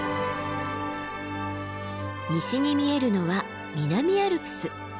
西に見えるのは南アルプス。